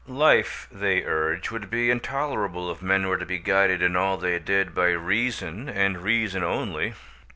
Life, they urge, would be intolerable if men were to be guided in all they did by reason and reason only.